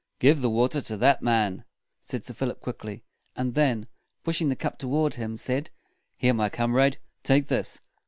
"Give the water to that man," said Sir Philip quickly; and then, pushing the cup toward him, he said, "Here, my comrade, take this.